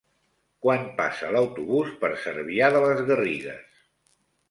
Quan passa l'autobús per Cervià de les Garrigues?